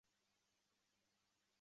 幼虫以禾本科植物作寄主。